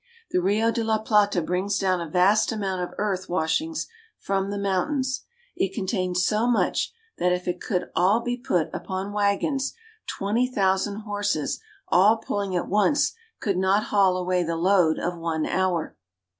The Rio de la Plata brings down a vast amount of earth washings from the mountains. It contains so much that if it could all be put upon, wagons 2IO URUGUAY. twenty thousand horses all pulHng at once could not haul away the load of one hour.